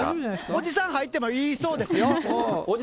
おじさん入ってもいいそうですよ。